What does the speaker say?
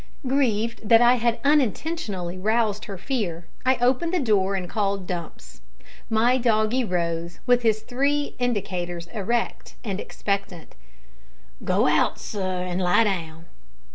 Grieved that I had unintentionally roused her fear, I opened the door and called Dumps. My doggie rose, with his three indicators erect and expectant. "Go out, sir, and lie down!"